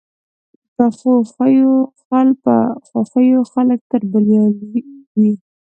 پخو خویو خلک تل بریالي وي